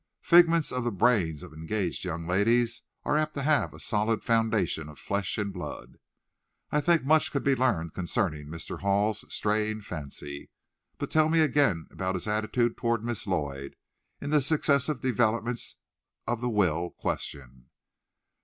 "Figments of the brains of engaged young ladies are apt to have a solid foundation of flesh and blood. I think much could be learned concerning Mr. Hall's straying fancy. But tell me again about his attitude toward Miss Lloyd, in the successive developments of the will question."